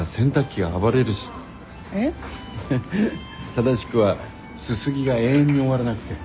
正しくはすすぎが永遠に終わらなくて。